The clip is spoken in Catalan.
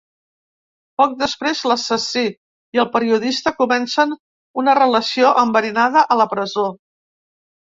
Poc després l’assassí i el periodista comencen una relació enverinada a la presó.